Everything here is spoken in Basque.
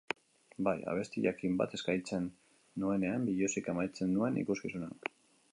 Bai, abesti jakin bat eskaintzen nuenean biluzik amaitzen nuen ikuskizuna.